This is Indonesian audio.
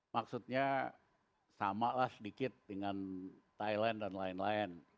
maksudnya samalah sedikit dengan thailand dan lain lain